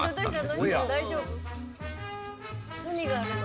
何があるの？